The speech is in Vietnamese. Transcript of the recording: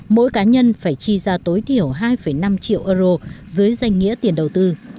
mỗi cá nhân phải chi ra tối thiểu hai năm triệu euro dưới danh nghĩa tiền đầu tư